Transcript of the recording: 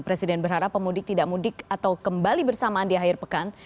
presiden berharap pemudik tidak mudik atau kembali bersamaan di akhir pekan